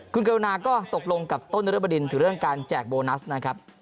คุณกรุณาก็ตกลงกับต้นนรบดินถึงเรื่องการแจกโบนัสนะครับ